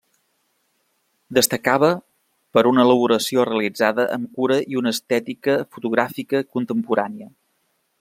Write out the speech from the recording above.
Destacava per una elaboració realitzada amb cura i una estètica fotogràfica contemporània.